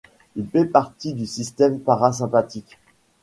Il fait partie du système parasympathique.